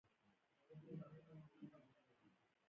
د دې پر ځای که کار و روزګار وکړي او خپل اقتصاد ښه کړي.